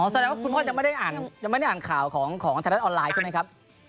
แสดงว่าคุณพ่อยังไม่ได้อ่านยังไม่ได้อ่านข่าวของไทยรัฐออนไลน์ใช่ไหมครับ